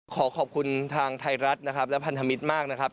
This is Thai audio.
ขอขอบคุณทางไทยรัฐนะครับและพันธมิตรมากนะครับ